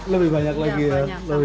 lebih banyak lagi ya